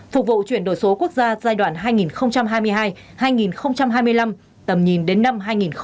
phục vụ chuyển đổi số quốc gia giai đoạn hai nghìn hai mươi hai hai nghìn hai mươi năm tầm nhìn đến năm hai nghìn ba mươi